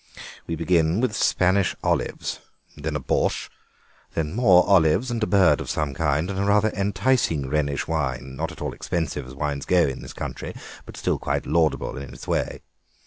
We begin with Spanish olives, then a borshch, then more olives and a bird of some kind, and a rather enticing Rhenish wine, not at all expensive as wines go in this country, but still quite laudable in its way.